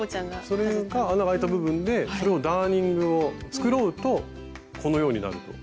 それが穴があいた部分でそれをダーニングを繕うとこのようになると。